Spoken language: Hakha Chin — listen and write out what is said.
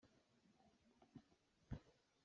A tar cang caah a vun a sawng bia a si.